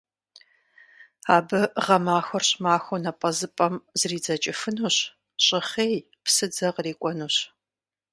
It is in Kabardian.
Абы гъэмахуэр щӀымахуэу напӀэзыпӀэм зридзэкӀыфынущ, щӀыхъей, псыдзэ кърикӀуэнущ.